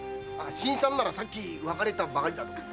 新さんならさっき別れたばかりだぞ。